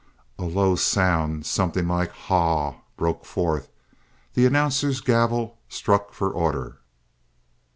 A low sound something like "Haw!" broke forth. The announcer's gavel struck for order.